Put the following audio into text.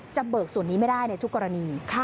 เบิกส่วนนี้ไม่ได้ในทุกกรณี